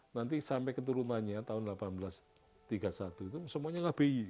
nanti sampai keturunannya tahun seribu delapan ratus tiga puluh satu itu semuanya ngabey